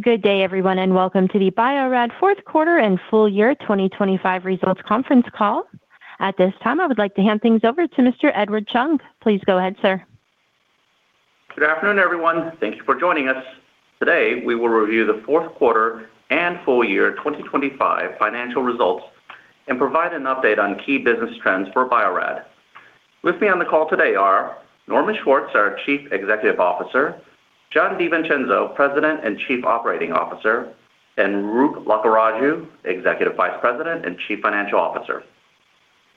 Good day, everyone, and welcome to the Bio-Rad fourth quarter and full year 2025 results conference call. At this time, I would like to hand things over to Mr. Edward Chung. Please go ahead, sir. Good afternoon, everyone. Thank you for joining us. Today, we will review the fourth quarter and full year 2025 financial results and provide an update on key business trends for Bio-Rad. With me on the call today are Norman Schwartz, our Chief Executive Officer, Jon DiVincenzo, President and Chief Operating Officer, and Roop Lakkaraju, Executive Vice President and Chief Financial Officer.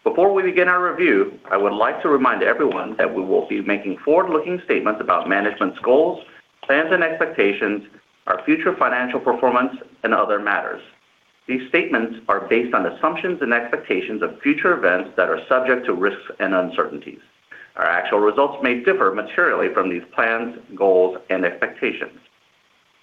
Before we begin our review, I would like to remind everyone that we will be making forward-looking statements about management's goals, plans, and expectations, our future financial performance, and other matters. These statements are based on assumptions and expectations of future events that are subject to risks and uncertainties. Our actual results may differ materially from these plans, goals, and expectations.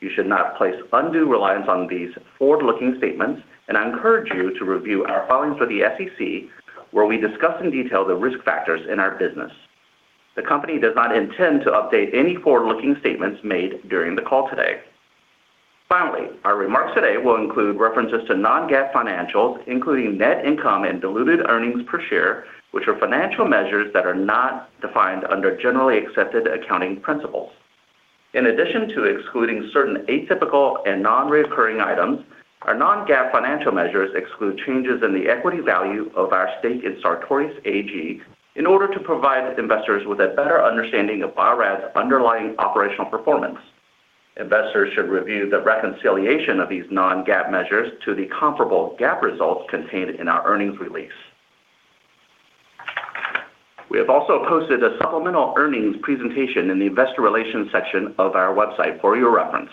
You should not place undue reliance on these forward-looking statements, and I encourage you to review our filings with the SEC, where we discuss in detail the risk factors in our business. The company does not intend to update any forward-looking statements made during the call today. Finally, our remarks today will include references to non-GAAP financials, including net income and diluted earnings per share, which are financial measures that are not defined under generally accepted accounting principles. In addition to excluding certain atypical and non-recurring items, our non-GAAP financial measures exclude changes in the equity value of our stake in Sartorius AG in order to provide investors with a better understanding of Bio-Rad's underlying operational performance. Investors should review the reconciliation of these non-GAAP measures to the comparable GAAP results contained in our earnings release. We have also posted a supplemental earnings presentation in the investor relations section of our website for your reference.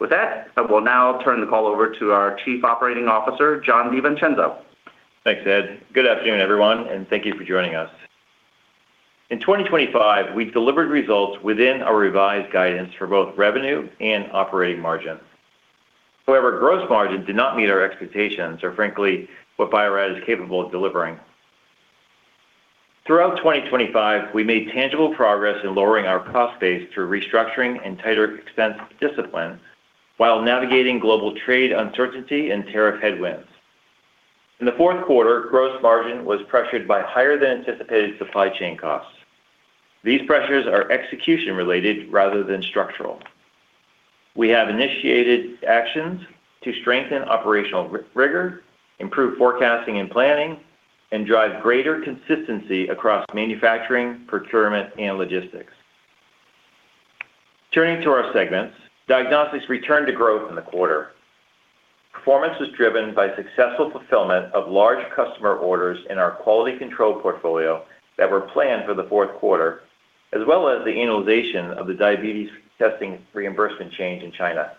With that, I will now turn the call over to our Chief Operating Officer, Jon DiVincenzo. Thanks, Ed. Good afternoon, everyone, and thank you for joining us. In 2025, we delivered results within our revised guidance for both revenue and operating margin. However, gross margin did not meet our expectations or, frankly, what Bio-Rad is capable of delivering. Throughout 2025, we made tangible progress in lowering our cost base through restructuring and tighter expense discipline while navigating global trade uncertainty and tariff headwinds. In the fourth quarter, gross margin was pressured by higher than anticipated supply chain costs. These pressures are execution related rather than structural. We have initiated actions to strengthen operational rigor, improve forecasting and planning, and drive greater consistency across manufacturing, procurement, and logistics. Turning to our segments, diagnostics returned to growth in the quarter. Performance was driven by successful fulfillment of large customer orders in our quality control portfolio that were planned for the fourth quarter, as well as the annualization of the diabetes testing reimbursement change in China.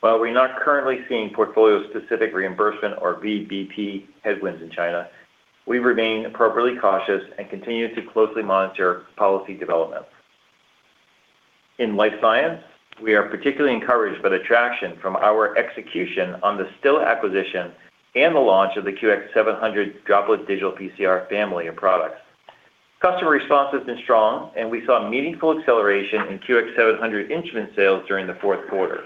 While we're not currently seeing portfolio-specific reimbursement or VBP headwinds in China, we remain appropriately cautious and continue to closely monitor policy developments. In Life Science, we are particularly encouraged by the traction from our execution on the Stilla acquisition and the launch of the QX700 droplet digital PCR family and products. Customer response has been strong, and we saw meaningful acceleration in QX700 instrument sales during the fourth quarter.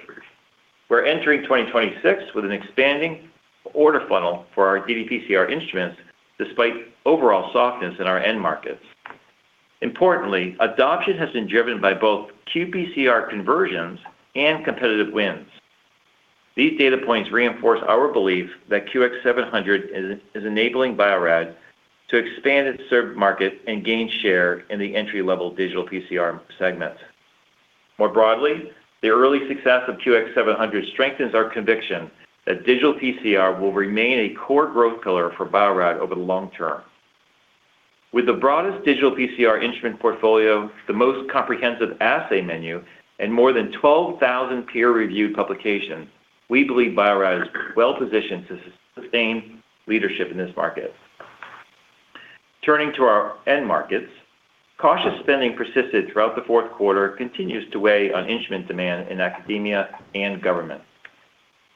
We're entering 2026 with an expanding order funnel for our ddPCR instruments, despite overall softness in our end markets. Importantly, adoption has been driven by both qPCR conversions and competitive wins. These data points reinforce our belief that QX700 is, is enabling Bio-Rad to expand its served market and gain share in the entry-level digital PCR segment. More broadly, the early success of QX700 strengthens our conviction that digital PCR will remain a core growth pillar for Bio-Rad over the long term. With the broadest digital PCR instrument portfolio, the most comprehensive assay menu, and more than 12,000 peer-reviewed publications, we believe Bio-Rad is well positioned to sustain leadership in this market. Turning to our end markets, cautious spending persisted throughout the fourth quarter, continues to weigh on instrument demand in academia and government.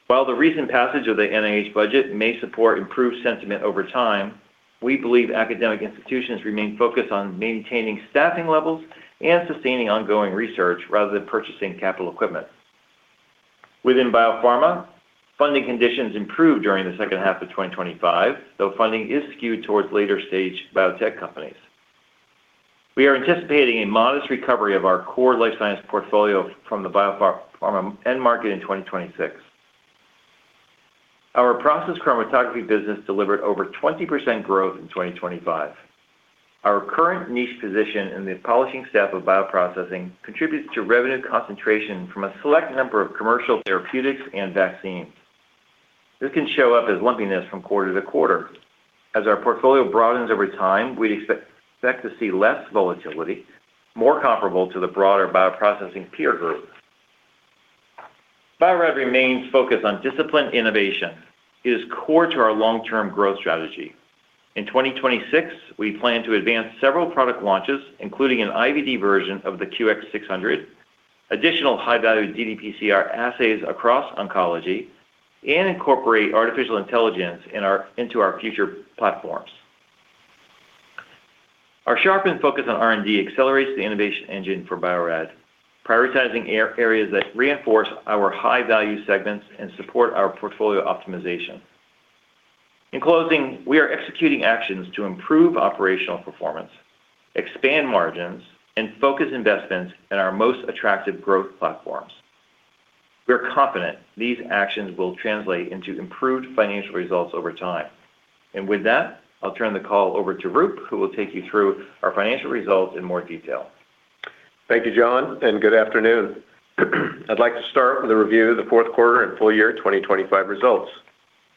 While the recent passage of the NIH budget may support improved sentiment over time, we believe academic institutions remain focused on maintaining staffing levels and sustaining ongoing research rather than purchasing capital equipment. Within biopharma, funding conditions improved during the second half of 2025, though funding is skewed towards later-stage biotech companies. We are anticipating a modest recovery of our core life science portfolio from the biopharma end market in 2026. Our Process Chromatography business delivered over 20% growth in 2025. Our current niche position in the polishing step of bioprocessing contributes to revenue concentration from a select number of commercial therapeutics and vaccines. This can show up as lumpiness from quarter to quarter. As our portfolio broadens over time, we expect to see less volatility, more comparable to the broader bioprocessing peer group. Bio-Rad remains focused on disciplined innovation. It is core to our long-term growth strategy. In 2026, we plan to advance several product launches, including an IVD version of the QX600, additional high-value ddPCR assays across oncology, and incorporate artificial intelligence into our future platforms. Our sharpened focus on R&D accelerates the innovation engine for Bio-Rad, prioritizing areas that reinforce our high-value segments and support our portfolio optimization. In closing, we are executing actions to improve operational performance, expand margins, and focus investments in our most attractive growth platforms. We are confident these actions will translate into improved financial results over time. And with that, I'll turn the call over to Roop, who will take you through our financial results in more detail. Thank you, John, and good afternoon. I'd like to start with a review of the fourth quarter and full year 2025 results.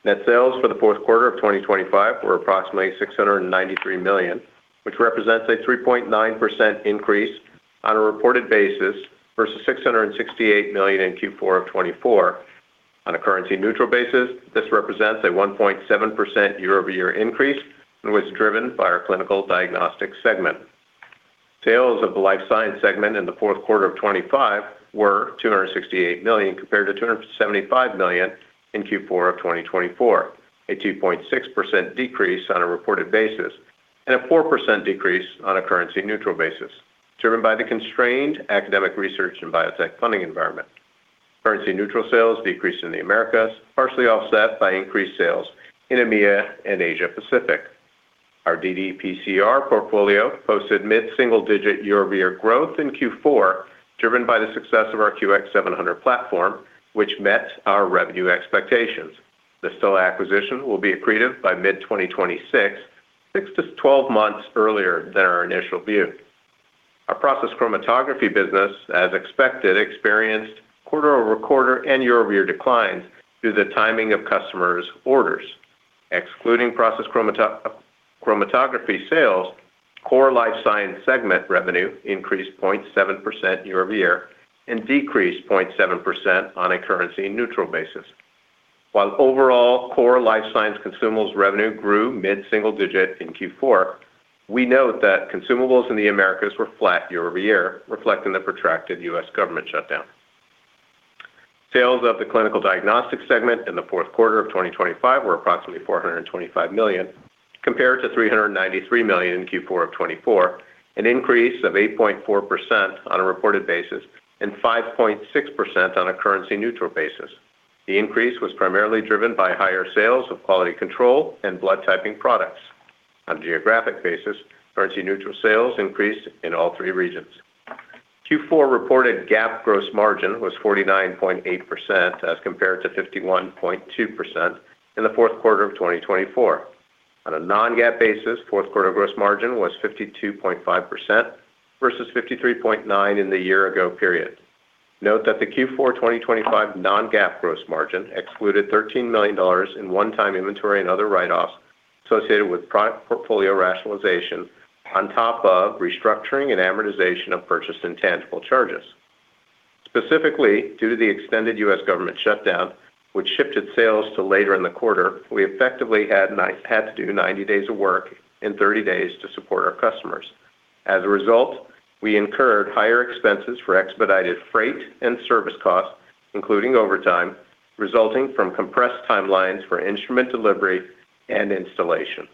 Net sales for the fourth quarter of 2025 were approximately $693 million, which represents a 3.9% increase on a reported basis versus $668 million in Q4 of 2024. On a currency neutral basis, this represents a 1.7% year-over-year increase and was driven by our clinical diagnostics segment. Sales of the life science segment in the fourth quarter of 2025 were $268 million, compared to $275 million in Q4 of 2024, a 2.6% decrease on a reported basis and a 4% decrease on a currency neutral basis, driven by the constrained academic research and biotech funding environment. Currency Neutral sales decreased in the Americas, partially offset by increased sales in EMEA and Asia Pacific. Our ddPCR portfolio posted mid-single-digit year-over-year growth in Q4, driven by the success of our QX700 platform, which met our revenue expectations. The Stilla acquisition will be accretive by mid-2026, 6 to 12 months earlier than our initial view. Our Process Chromatography business, as expected, experienced quarter-over-quarter and year-over-year declines due to the timing of customers' orders. Excluding Process Chromatography sales, core life science segment revenue increased 0.7% year-over-year and decreased 0.7% on a Currency Neutral basis. While overall, core life science consumables revenue grew mid-single-digit in Q4, we note that consumables in the Americas were flat year-over-year, reflecting the protracted U.S. government shutdown. Sales of the clinical diagnostics segment in the fourth quarter of 2025 were approximately $425 million, compared to $393 million in Q4 of 2024, an increase of 8.4% on a reported basis and 5.6% on a currency-neutral basis. The increase was primarily driven by higher sales of quality control and blood typing products. On a geographic basis, currency-neutral sales increased in all three regions. Q4 reported GAAP gross margin was 49.8%, as compared to 51.2% in the fourth quarter of 2024. On a non-GAAP basis, fourth quarter gross margin was 52.5% versus 53.9% in the year ago period. Note that the Q4 2025 non-GAAP gross margin excluded $13 million in one-time inventory and other write-offs associated with product portfolio rationalization, on top of restructuring and amortization of purchased intangible charges. Specifically, due to the extended U.S. government shutdown, which shifted sales to later in the quarter, we effectively had to do 90 days of work in 30 days to support our customers. As a result, we incurred higher expenses for expedited freight and service costs, including overtime, resulting from compressed timelines for instrument delivery and installation.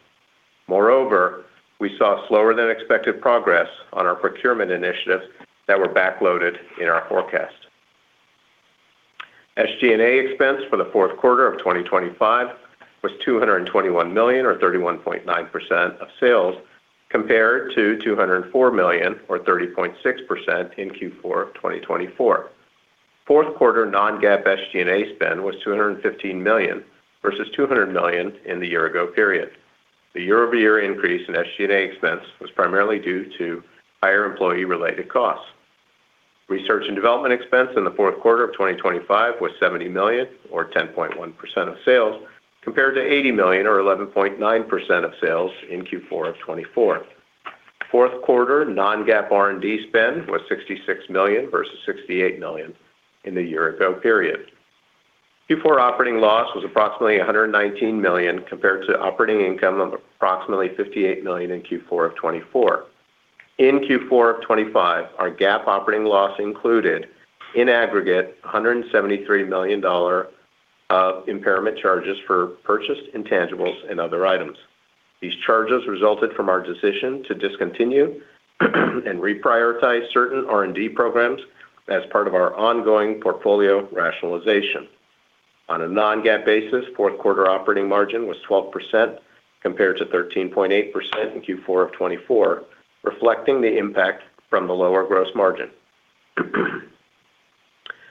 Moreover, we saw slower than expected progress on our procurement initiatives that were backloaded in our forecast. SG&A expense for the fourth quarter of 2025 was $221 million, or 31.9% of sales, compared to $204 million, or 30.6% in Q4 of 2024. Fourth quarter non-GAAP SG&A spend was $215 million versus $200 million in the year ago period. The year-over-year increase in SG&A expense was primarily due to higher employee-related costs. Research and development expense in the fourth quarter of 2025 was $70 million or 10.1% of sales, compared to $80 million or 11.9% of sales in Q4 of 2024. Fourth quarter non-GAAP R&D spend was $66 million versus $68 million in the year ago period. Q4 operating loss was approximately $119 million, compared to operating income of approximately $58 million in Q4 of 2024. In Q4 of 2025, our GAAP operating loss included, in aggregate, $173 million of impairment charges for purchased intangibles and other items. These charges resulted from our decision to discontinue and reprioritize certain R&D programs as part of our ongoing portfolio rationalization. On a non-GAAP basis, fourth quarter operating margin was 12%, compared to 13.8% in Q4 of 2024, reflecting the impact from the lower gross margin.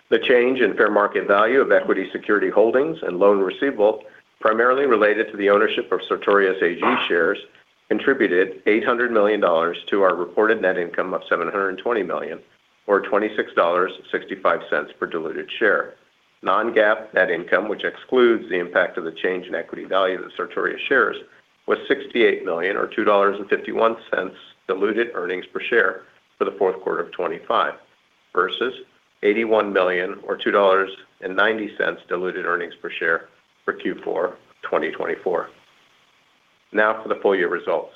The change in fair market value of equity security holdings and loan receivable, primarily related to the ownership of Sartorius AG shares, contributed $800 million to our reported net income of $720 million, or $26.65 per diluted share. Non-GAAP net income, which excludes the impact of the change in equity value of the Sartorius shares, was $68 million, or $2.51 diluted earnings per share for the fourth quarter of 2025, versus $81 million or $2.90 diluted earnings per share for Q4 2024. Now for the full year results.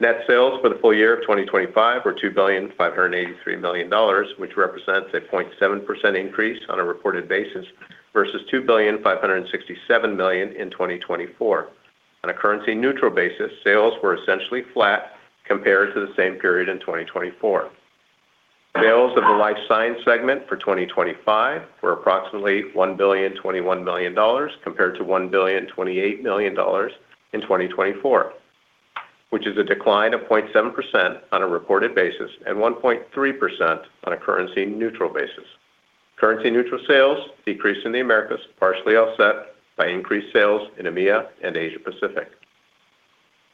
Net sales for the full year of 2025 were $2.583 billion, which represents a 0.7% increase on a reported basis versus $2.567 billion in 2024. On a currency neutral basis, sales were essentially flat compared to the same period in 2024. The life science segment for 2025 were approximately $1,021 million, compared to $1,028 million in 2024, which is a decline of 0.7% on a reported basis and 1.3% on a currency neutral basis. Currency neutral sales decreased in the Americas, partially offset by increased sales in EMEA and Asia Pacific.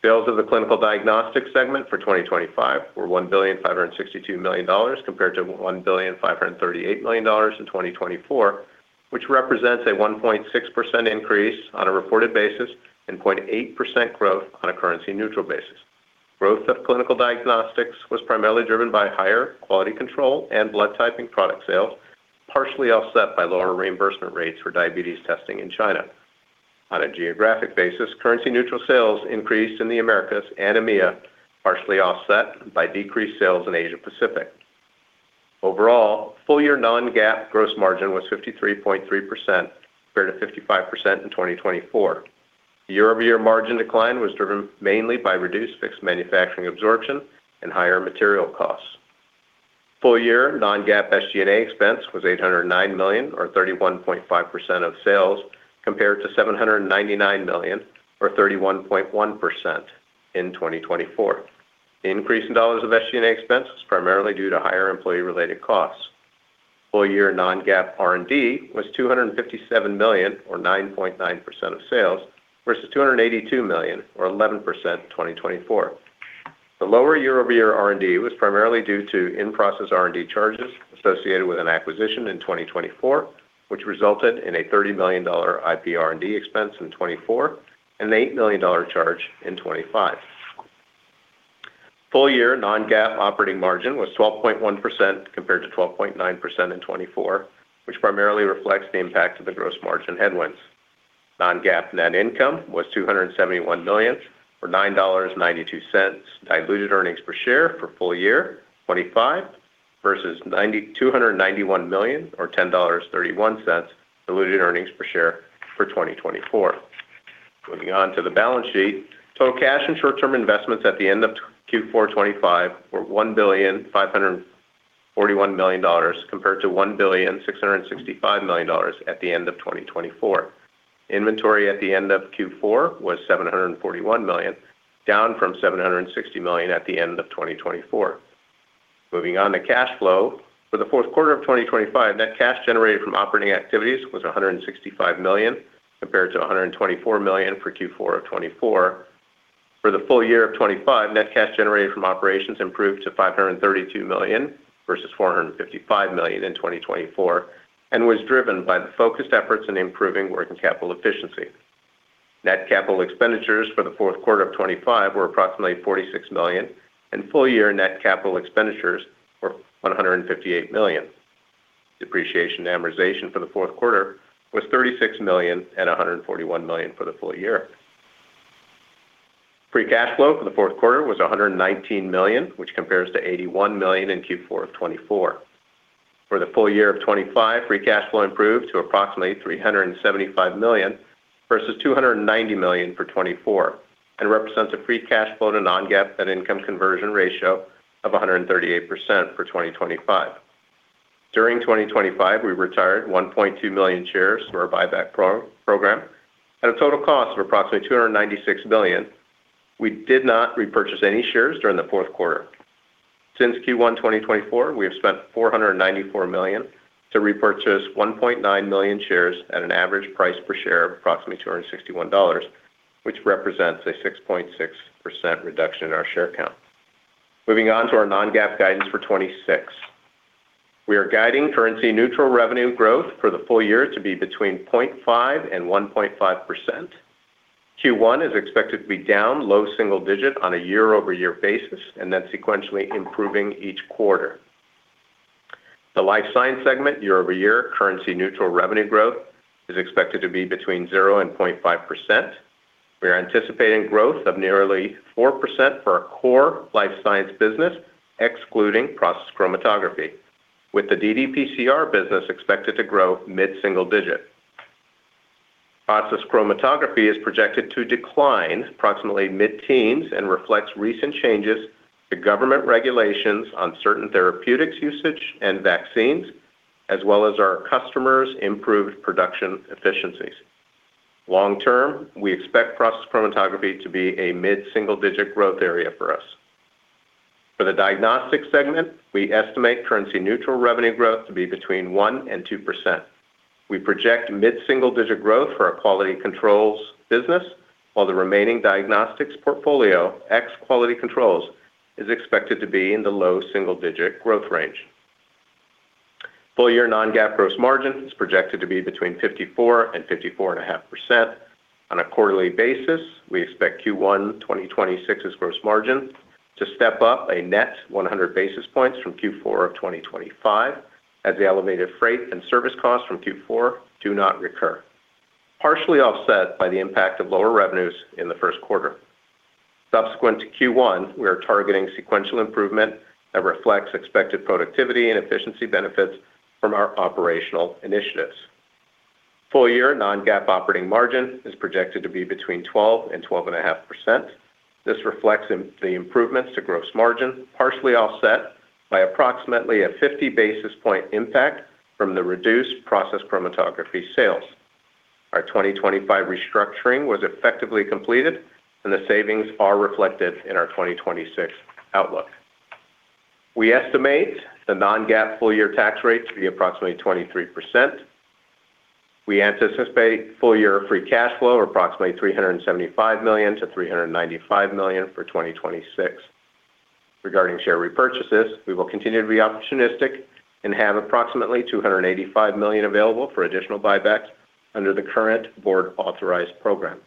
Sales of the clinical diagnostics segment for 2025 were $1,562 million, compared to $1,538 million in 2024, which represents a 1.6% increase on a reported basis and 0.8% growth on a currency neutral basis. Growth of clinical diagnostics was primarily driven by higher quality control and blood typing product sales, partially offset by lower reimbursement rates for diabetes testing in China. On a geographic basis, currency neutral sales increased in the Americas and EMEA, partially offset by decreased sales in Asia Pacific. Overall, full-year non-GAAP gross margin was 53.3%, compared to 55% in 2024. Year-over-year margin decline was driven mainly by reduced fixed manufacturing absorption and higher material costs. Full-year non-GAAP SG&A expense was $809 million, or 31.5% of sales, compared to $799 million, or 31.1% in 2024. The increase in dollars of SG&A expense was primarily due to higher employee-related costs. Full year non-GAAP R&D was $257 million, or 9.9% of sales, versus $282 million or 11% in 2024. The lower year-over-year R&D was primarily due to in-process R&D charges associated with an acquisition in 2024, which resulted in a $30 million IP R&D expense in 2024 and an $8 million charge in 2025. Full year non-GAAP operating margin was 12.1% compared to 12.9% in 2024, which primarily reflects the impact of the gross margin headwinds. Non-GAAP net income was $271 million, or $9.92 diluted earnings per share for full year 2025 versus two hundred and ninety-one million, or $10.31 diluted earnings per share for 2024. Moving on to the balance sheet. Total cash and short-term investments at the end of Q4 2025 were $1,541 million, compared to $1,665 million at the end of 2024. Inventory at the end of Q4 was $741 million, down from $760 million at the end of 2024. Moving on to cash flow. For the fourth quarter of 2025, net cash generated from operating activities was $165 million, compared to $124 million for Q4 of 2024. For the full year of 2025, net cash generated from operations improved to $532 million versus $455 million in 2024, and was driven by the focused efforts in improving working capital efficiency. Net capital expenditures for the fourth quarter of 2025 were approximately $46 million, and full year net capital expenditures were $158 million. Depreciation and amortization for the fourth quarter was $36 million and $141 million for the full year. Free cash flow for the fourth quarter was $119 million, which compares to $81 million in Q4 of 2024. For the full year of 2025, free cash flow improved to approximately $375 million versus $290 million for 2024, and represents a free cash flow to non-GAAP net income conversion ratio of 138% for 2025. During 2025, we retired 1.2 million shares through our buyback program at a total cost of approximately $296 million. We did not repurchase any shares during the fourth quarter. Since Q1 2024, we have spent $494 million to repurchase 1.9 million shares at an average price per share of approximately $261, which represents a 6.6% reduction in our share count. Moving on to our non-GAAP guidance for 2026. We are guiding currency neutral revenue growth for the full year to be between 0.5% and 1.5%. Q1 is expected to be down low single-digit on a year-over-year basis and then sequentially improving each quarter. The life science segment year-over-year currency neutral revenue growth is expected to be between 0% and 0.5%. We are anticipating growth of nearly 4% for our core life science business, excluding process chromatography, with the ddPCR business expected to grow mid-single-digit. Process Chromatography is projected to decline approximately mid-teens and reflects recent changes to government regulations on certain therapeutics, usage and vaccines, as well as our customers' improved production efficiencies. Long-term, we expect Process Chromatography to be a mid-single digit growth area for us. For the diagnostics segment, we estimate currency neutral revenue growth to be between 1% and 2%. We project mid-single digit growth for our quality controls business, while the remaining diagnostics portfolio, ex-quality controls, is expected to be in the low single digit growth range. Full-year non-GAAP gross margin is projected to be between 54% and 54.5%. On a quarterly basis, we expect Q1 2026's gross margin to step up a net 100 basis points from Q4 of 2025, as the elevated freight and service costs from Q4 do not recur, partially offset by the impact of lower revenues in the first quarter. Subsequent to Q1, we are targeting sequential improvement that reflects expected productivity and efficiency benefits from our operational initiatives. Full year non-GAAP operating margin is projected to be between 12% and 12.5%. This reflects the improvements to gross margin, partially offset by approximately a 50 basis point impact from the reduced Process Chromatography sales. Our 2025 restructuring was effectively completed, and the savings are reflected in our 2026 outlook. We estimate the non-GAAP full year tax rate to be approximately 23%. We anticipate full-year free cash flow of approximately $375 million-$395 million for 2026. Regarding share repurchases, we will continue to be opportunistic and have approximately $285 million available for additional buybacks under the current board authorized program.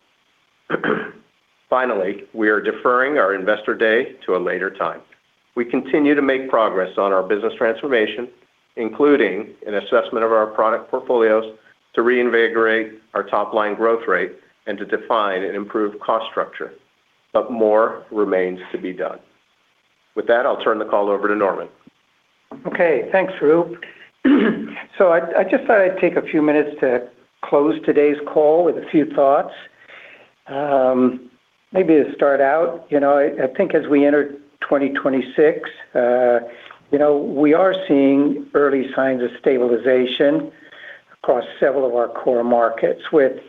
Finally, we are deferring our investor day to a later time. We continue to make progress on our business transformation, including an assessment of our product portfolios, to reinvigorate our top line growth rate and to define an improved cost structure, but more remains to be done. With that, I'll turn the call over to Norman. Okay, thanks, Ru. So I just thought I'd take a few minutes to close today's call with a few thoughts. Maybe to start out, you know, I think as we enter 2026, you know, we are seeing early signs of stabilization across several of our core markets with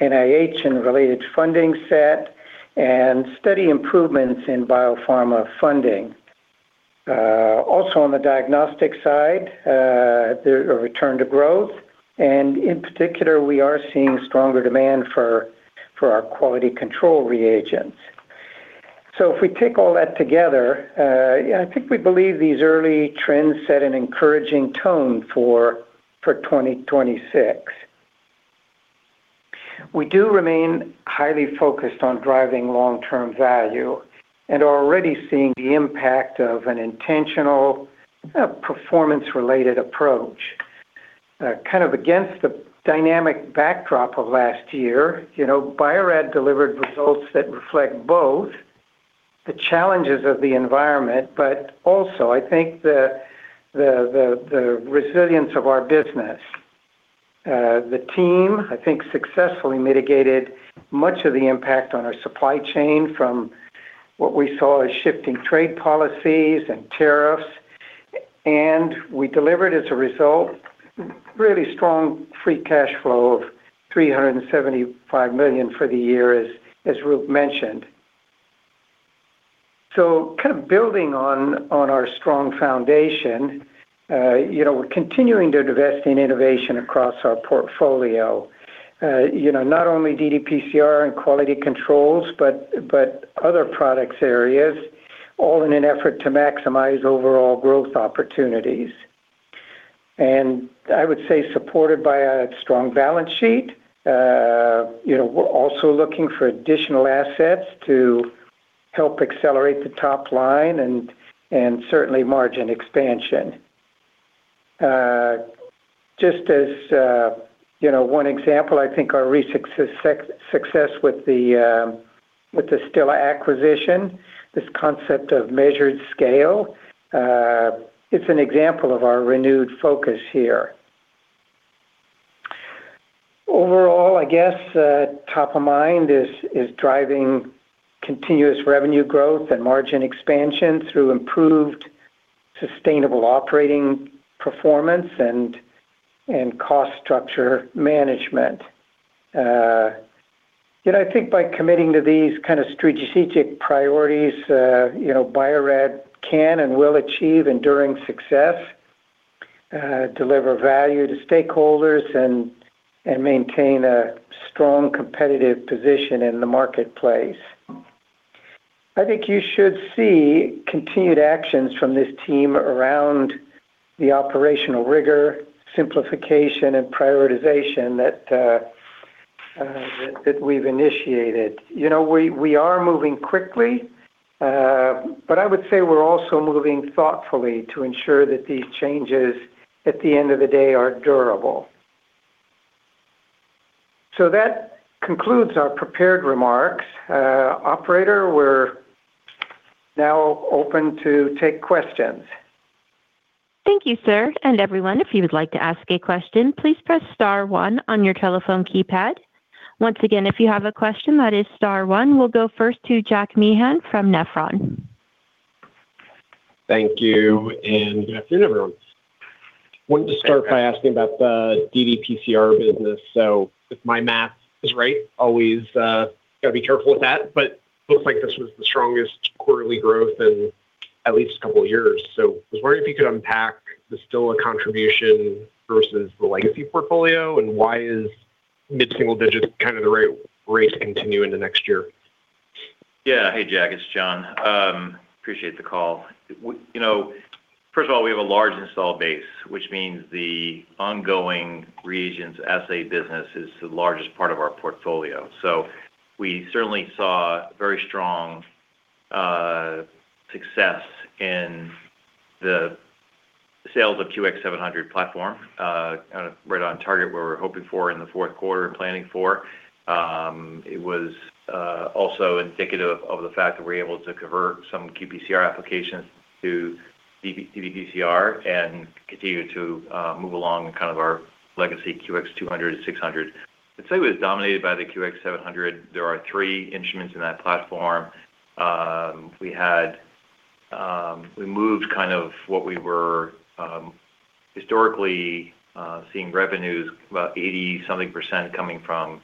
NIH and related funding set and steady improvements in biopharma funding. Also on the diagnostic side, there's a return to growth, and in particular, we are seeing stronger demand for our quality control reagents. So if we take all that together, I think we believe these early trends set an encouraging tone for 2026. We do remain highly focused on driving long-term value and are already seeing the impact of an intentional performance-related approach. Kind of against the dynamic backdrop of last year, you know, Bio-Rad delivered results that reflect both the challenges of the environment, but also, I think, the resilience of our business. The team, I think, successfully mitigated much of the impact on our supply chain from what we saw as shifting trade policies and tariffs, and we delivered, as a result, really strong free cash flow of $375 million for the year, as Ru mentioned. So kind of building on our strong foundation, you know, we're continuing to invest in innovation across our portfolio. You know, not only DDPCR and quality controls, but other products areas, all in an effort to maximize overall growth opportunities. I would say, supported by a strong balance sheet, you know, we're also looking for additional assets to help accelerate the top line and certainly margin expansion. Just as, you know, one example, I think our success with the Stilla acquisition, this concept of measured scale, it's an example of our renewed focus here. Overall, I guess, top of mind is driving continuous revenue growth and margin expansion through improved sustainable operating performance and cost structure management. You know, I think by committing to these kind of strategic priorities, you know, Bio-Rad can and will achieve enduring success, deliver value to stakeholders and maintain a strong competitive position in the marketplace. I think you should see continued actions from this team around the operational rigor, simplification, and prioritization that we've initiated. You know, we are moving quickly, but I would say we're also moving thoughtfully to ensure that these changes, at the end of the day, are durable. So that concludes our prepared remarks. Operator, we're now open to take questions. Thank you, sir. Everyone, if you would like to ask a question, please press star one on your telephone keypad. Once again, if you have a question, that is star one. We'll go first to Jack Meehan from Nephron. Thank you, and good afternoon, everyone. Wanted to start by asking about the ddPCR business. So if my math is right, always, got to be careful with that, but looks like this was the strongest quarterly growth in at least a couple of years. So I was wondering if you could unpack the Stilla contribution versus the legacy portfolio, and why is mid-single digits kind of the right rate to continue in the next year? Yeah. Hey, Jack, it's John. Appreciate the call. You know, first of all, we have a large installed base, which means the ongoing reagents assay business is the largest part of our portfolio. So we certainly saw very strong,... success in the sales of QX700 platform, kind of right on target where we're hoping for in the fourth quarter and planning for. It was also indicative of the fact that we're able to convert some qPCR applications to ddPCR and continue to move along kind of our legacy QX200 and 600. I'd say it was dominated by the QX700. There are three instruments in that platform. We had, we moved kind of what we were historically seeing revenues about 80-something% coming from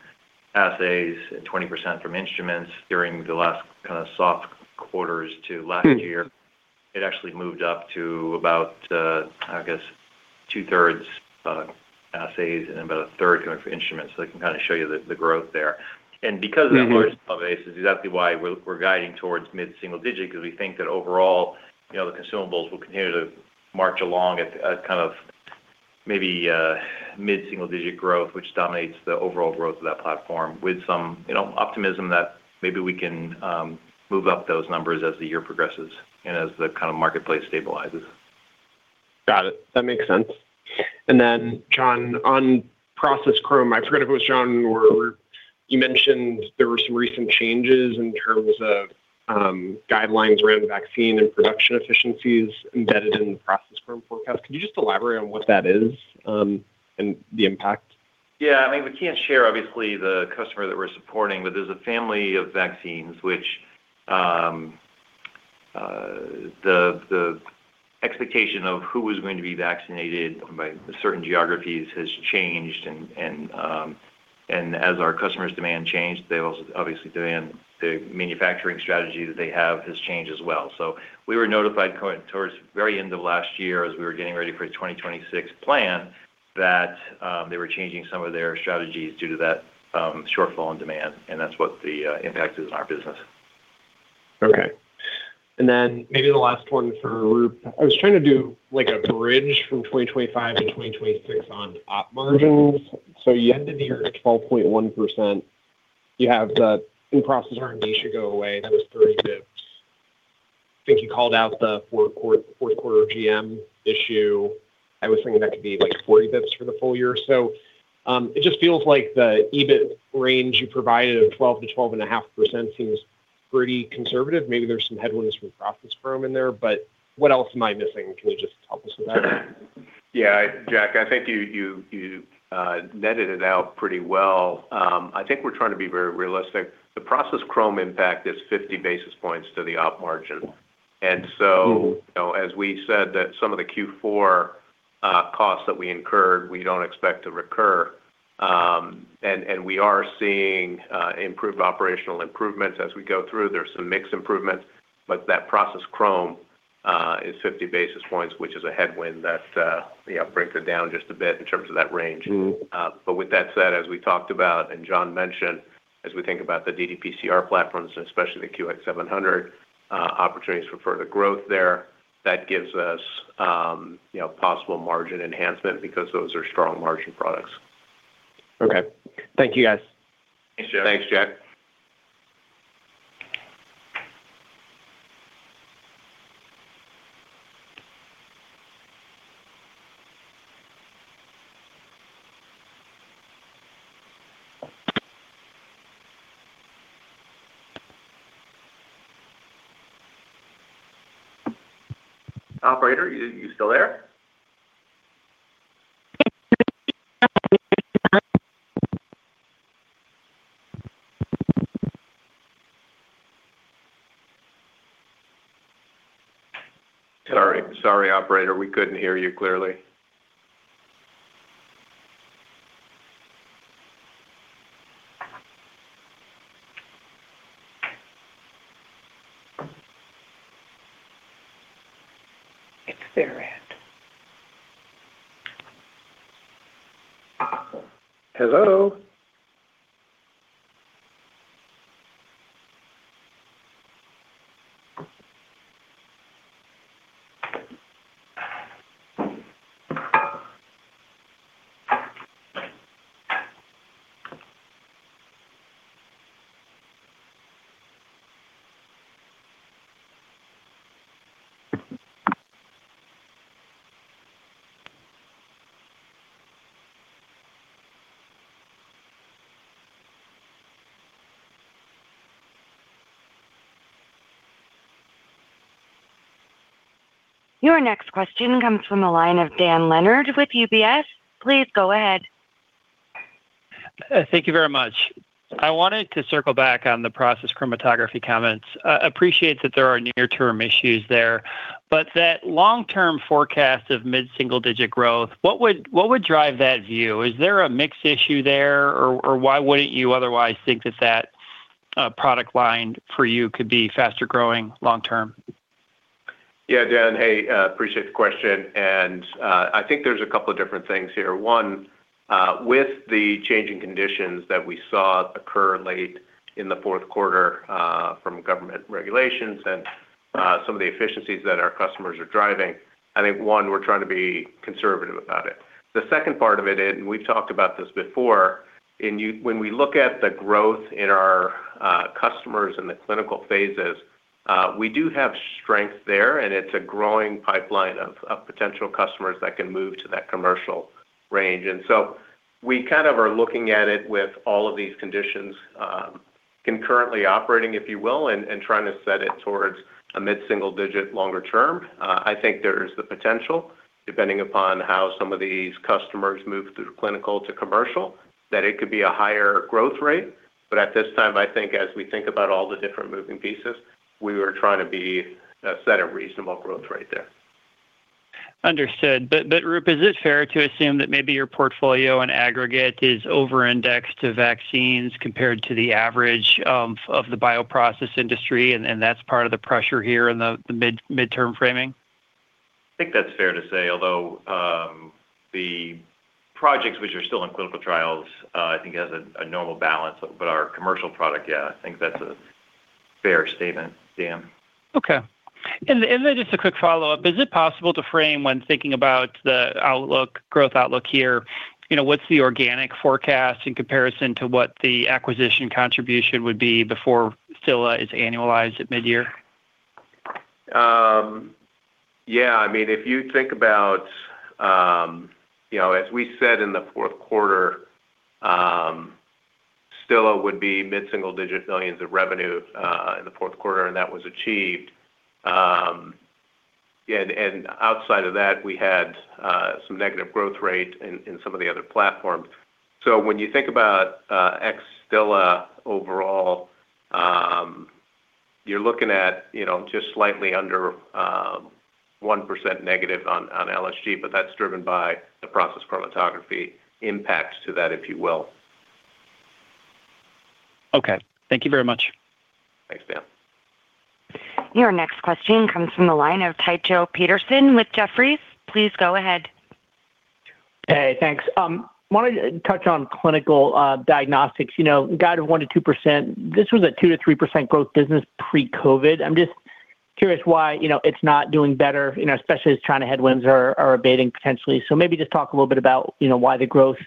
assays and 20% from instruments during the last kind of soft quarters to last year. It actually moved up to about, I guess two-thirds assays and about a third coming from instruments. So I can kind of show you the growth there. And because- Mm-hmm of that large base is exactly why we're guiding towards mid-single digit, because we think that overall, you know, the consumables will continue to march along at kind of maybe mid-single digit growth, which dominates the overall growth of that platform, with some, you know, optimism that maybe we can move up those numbers as the year progresses and as the kind of marketplace stabilizes. Got it. That makes sense. And then, John, on process chromatography, I forget if it was John or you mentioned there were some recent changes in terms of guidelines around vaccine and production efficiencies embedded in the process chromatography forecast. Could you just elaborate on what that is, and the impact? Yeah, I mean, we can't share obviously the customer that we're supporting, but there's a family of vaccines which the expectation of who was going to be vaccinated by certain geographies has changed. And as our customers' demand changed, they also obviously demand the manufacturing strategy that they have has changed as well. So we were notified towards very end of last year, as we were getting ready for the 2026 plan, that they were changing some of their strategies due to that shortfall in demand, and that's what the impact is on our business. Okay. And then maybe the last one for Rupe. I was trying to do, like, a bridge from 2025 to 2026 on op margins. So you ended the year at 12.1%. You have the in-process R&D should go away. That was 30 bits. I think you called out the fourth quarter, fourth quarter GM issue. I was thinking that could be, like, 40 bits for the full year. So, it just feels like the EBIT range you provided of 12%-12.5% seems pretty conservative. Maybe there's some headwinds from Process Chromatography in there, but what else am I missing? Can you just help us with that? Yeah, Jack, I think you netted it out pretty well. I think we're trying to be very realistic. The Process Chromatography impact is 50 basis points to the operating margin. Mm-hmm. And so, you know, as we said that some of the Q4 costs that we incurred, we don't expect to recur. And we are seeing improved operational improvements as we go through. There's some mix improvements, but that Process Chromatography is 50 basis points, which is a headwind that, you know, brings it down just a bit in terms of that range. Mm-hmm. But with that said, as we talked about and John mentioned, as we think about the ddPCR platforms, and especially the QX700, opportunities for further growth there, that gives us, you know, possible margin enhancement because those are strong margin products. Okay. Thank you, guys. Thanks, Jack. Thanks, Jack. Operator, are you, you still there? Sorry. Sorry, operator, we couldn't hear you clearly. It's their end. Hello? Your next question comes from the line of Dan Leonard with UBS. Please go ahead. Thank you very much. I wanted to circle back on the Process Chromatography comments. Appreciate that there are near-term issues there, but that long-term forecast of mid-single-digit growth, what would, what would drive that view? Is there a mix issue there, or, or why wouldn't you otherwise think that that, product line for you could be faster growing long term? Yeah, Dan. Hey, appreciate the question, and, I think there's a couple of different things here. One, with the changing conditions that we saw occur late in the fourth quarter, from government regulations and, some of the efficiencies that our customers are driving, I think, one, we're trying to be conservative about it. The second part of it, and we've talked about this before and you, when we look at the growth in our, customers in the clinical phases, we do have strength there, and it's a growing pipeline of, potential customers that can move to that commercial range. And so we kind of are looking at it with all of these conditions, concurrently operating, if you will, and, trying to set it towards a mid-single digit longer term. I think there is the potential, depending upon how some of these customers move through clinical to commercial, that it could be a higher growth rate. But at this time, I think as we think about all the different moving pieces, we were trying to be a set of reasonable growth right there. Understood. But, Roop, is it fair to assume that maybe your portfolio and aggregate is over-indexed to vaccines compared to the average of the bioprocess industry, and that's part of the pressure here in the mid-term framing? I think that's fair to say, although, the projects which are still in clinical trials, I think has a normal balance. But our commercial product, yeah, I think that's a fair statement, Dan. Okay. And then just a quick follow-up: Is it possible to frame when thinking about the outlook, growth outlook here, you know, what's the organic forecast in comparison to what the acquisition contribution would be before Stilla is annualized at midyear? Yeah, I mean, if you think about, you know, as we said in the fourth quarter, Stilla would be $mid-single digit millions of revenue in the fourth quarter, and that was achieved. Yeah, and outside of that, we had some negative growth rate in some of the other platforms. So when you think about ex-Stilla overall, you're looking at, you know, just slightly under 1% negative on LSG, but that's driven by the Process Chromatography impact to that, if you will. Okay. Thank you very much. Thanks, Dan. Your next question comes from the line of Tycho Peterson with Jefferies. Please go ahead. Hey, thanks. Wanted to touch on clinical diagnostics. You know, guided 1%-2%, this was a 2%-3% growth business pre-COVID. I'm just curious why, you know, it's not doing better, you know, especially as China headwinds are abating potentially. So maybe just talk a little bit about, you know, why the growth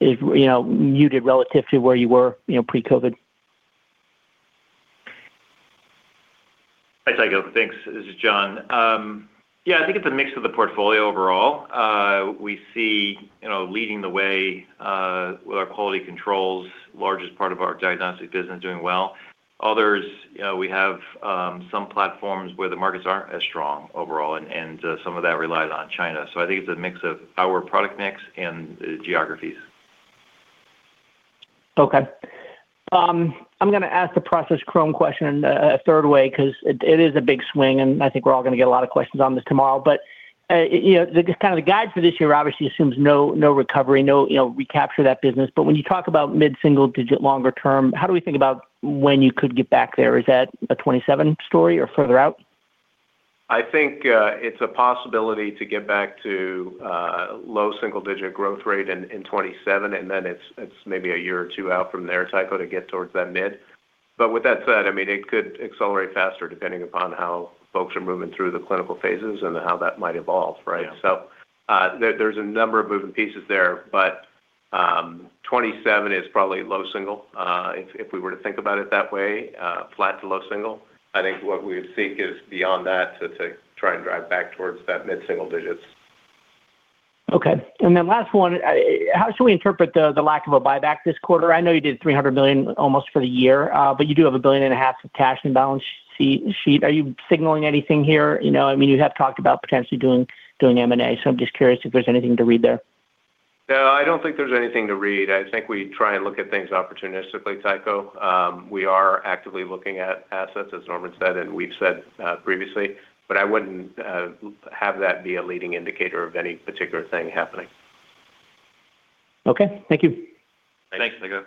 is, you know, muted relative to where you were, you know, pre-COVID. Hi, Tycho. Thanks. This is John. Yeah, I think it's a mix of the portfolio overall. We see, you know, leading the way with our quality controls, largest part of our diagnostic business doing well. Others, you know, we have some platforms where the markets aren't as strong overall, and some of that relies on China. So I think it's a mix of our product mix and the geographies. Okay. I'm going to ask the Process Chromatography question a third way, 'cause it is a big swing, and I think we're all going to get a lot of questions on this tomorrow. But, you know, the guide for this year obviously assumes no recovery, no recapture that business. But when you talk about mid-single digit longer term, how do we think about when you could get back there? Is that a 2027 story or further out? I think it's a possibility to get back to low single-digit growth rate in 2027, and then it's maybe a year or two out from there, Tycho, to get towards that mid. But with that said, I mean, it could accelerate faster depending upon how folks are moving through the clinical phases and how that might evolve, right? Yeah. So, there's a number of moving pieces there, but, 27 is probably low single. If we were to think about it that way, flat to low single, I think what we would seek is beyond that to try and drive back towards that mid-single digits. Okay. And then last one, how should we interpret the, the lack of a buyback this quarter? I know you did almost $300 million for the year, but you do have $1.5 billion of cash in balance sheet. Are you signaling anything here? You know, I mean, you have talked about potentially doing, doing M&A, so I'm just curious if there's anything to read there. No, I don't think there's anything to read. I think we try and look at things opportunistically, Tycho. We are actively looking at assets, as Norman said, and we've said, previously, but I wouldn't have that be a leading indicator of any particular thing happening. Okay. Thank you. Thanks, Tycho.